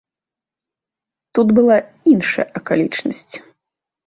Тут была іншая акалічнасць.